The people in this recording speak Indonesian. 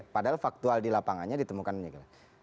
padahal faktual di lapangannya ditemukan penyegelan